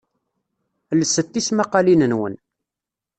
Lset tismqaqqalin-nwen.